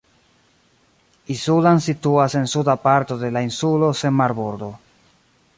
Isulan situas en suda parto de la insulo sen marbordo.